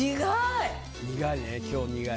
苦い。